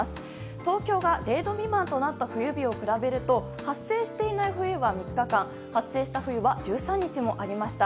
東京が０度未満となった日を比べるとラニーニャ現象が発生していない冬は１３日間発生した日は１３日もありました。